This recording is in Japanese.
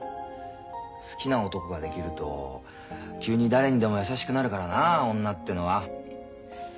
好きな男ができると急に誰にでも優しくなるからな女ってのは。